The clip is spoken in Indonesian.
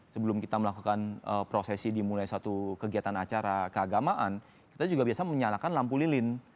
sebelum kita melakukan prosesi dimulai satu kegiatan acara keagamaan kita juga biasa menyalakan lampu lilin